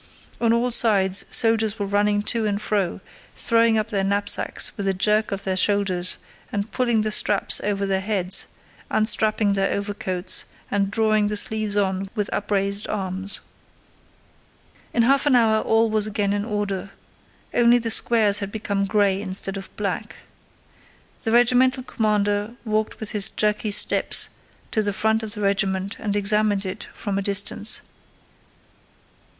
On all sides soldiers were running to and fro, throwing up their knapsacks with a jerk of their shoulders and pulling the straps over their heads, unstrapping their overcoats and drawing the sleeves on with upraised arms. In half an hour all was again in order, only the squares had become gray instead of black. The regimental commander walked with his jerky steps to the front of the regiment and examined it from a distance.